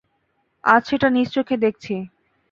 আজ সেটা নিজ চোখে দেখছি।